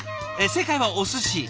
正解はお寿司。